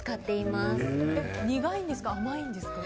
甘いんですか？